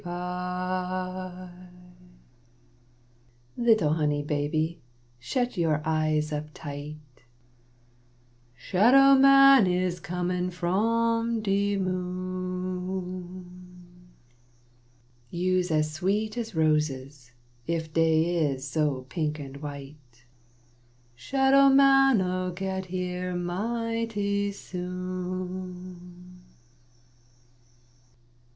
Little honey baby, shet yo' eyes up tight; (Shadow man is comin' from de moon,) You's as sweet as roses, if dey is so pink and white; (Shadow man '11 get here mighty soon.)